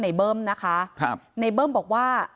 ในเบิ้มนะคะในเบิ้มบอกว่า